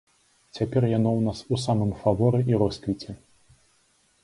Цяпер яно ў нас у самым фаворы і росквіце.